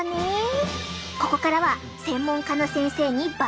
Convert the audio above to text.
ここからは専門家の先生にバトンタッチ！